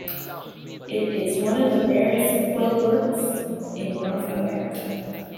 It is one of the rarest quillworts in North America.